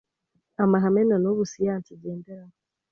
amahame nanubu siyansi igenderaho